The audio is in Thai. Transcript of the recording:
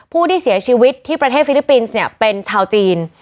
ผู้ที่เสียชีวิตที่ประเทศฟิลิปปินส์เนี่ยเป็นชาวจีน